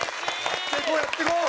やっていこうやっていこう！